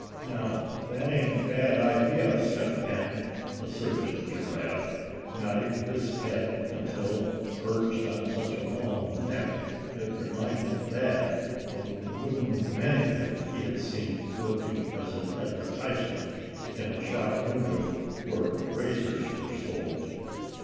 "Now, that ain't a bad idea, Step Hen," asserted Giraffe, nodding his head until, perched on such a long neck, it reminded Thad of a wooden manikin he had seen working as an advertisement in a shop window where razors were sold.